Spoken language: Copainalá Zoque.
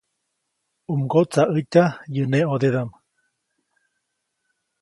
U mgotsaʼätya yäʼ neʼ ʼõdedaʼm.